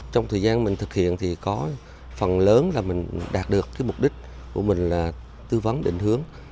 trong thời gian mình thực hiện phần lớn là mình đạt được mục đích của mình là tư vấn định hướng